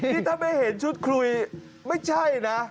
นี่ถ้าไม่เห็นชุดคุยไม่ใช่นะ